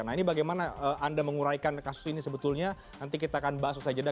nah ini bagaimana anda menguraikan kasus ini sebetulnya nanti kita akan bahas usai jeda